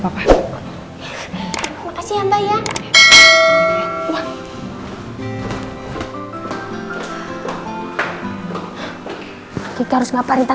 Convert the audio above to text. aku mohon kuatkan dia